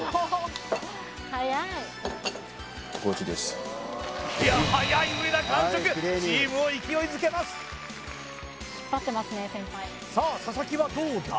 いや早い上田完食チームを勢いづけますさあ佐々木はどうだ？